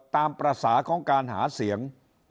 ตามภาษาของการหาเสียง